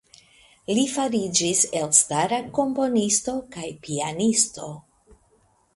Li fariĝis elstara komponisto kaj pianisto.